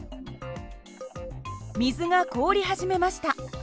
水が凍り始めました。